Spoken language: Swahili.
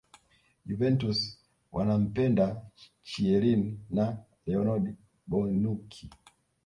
Juventus wanampenda Chielin na Leonardo Bonucci